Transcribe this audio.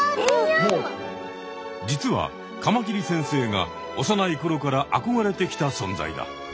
実はカマキリ先生が幼いころからあこがれてきた存在だ。